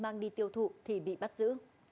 mang đi tiêu thụ thì bị bắt giữ